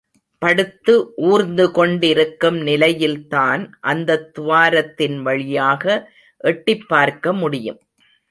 படுத்து ஊர்ந்துகொண்டிருக்கும் நிலையில்தான் அந்தத் துவாரத்தின் வழியாக எட்டிப் பார்க்க முடியும்.